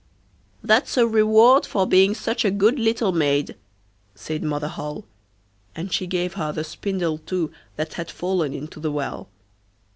'That's a reward for being such a good little maid,' said Mother Holle, and she gave her the spindle too that had fallen into the well.